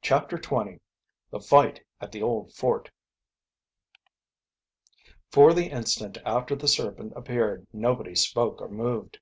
CHAPTER XX THE FIGHT AT THE OLD FORT For the instant after the serpent appeared nobody spoke or moved.